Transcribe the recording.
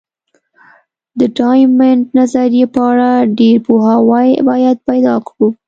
د ډایمونډ نظریې په اړه ډېر پوهاوی باید پیدا کړو.